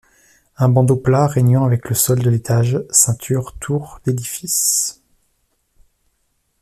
Un bandeau plat, régnant avec le sol de l'étage, ceinture tourt l'édifice.